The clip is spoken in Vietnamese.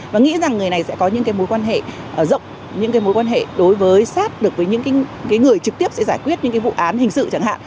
và nghĩ rằng người này sẽ có những mối quan hệ rộng những mối quan hệ đối với sát được với những người trực tiếp sẽ giải quyết những vụ án hình sự chẳng hạn